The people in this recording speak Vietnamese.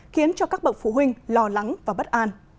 khiến cho các bậc phụ huynh lo lắng và bất an